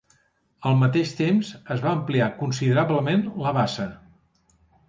Al mateix temps es va ampliar considerablement la bassa.